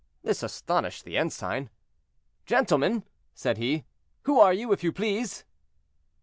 This astonished the ensign. "Gentlemen," said he, "who are you, if you please?"